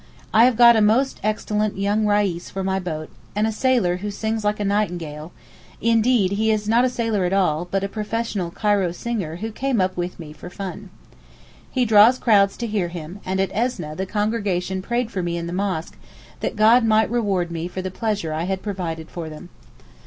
I have got a most excellent young Reis for my boat, and a sailor who sings like a nightingale, indeed he is not a sailor at all, but a professional Cairo singer who came up with me for fun. He draws crowds to hear him, and at Esneh the congregation prayed for me in the mosque that God might reward me for the pleasure I had provided for them.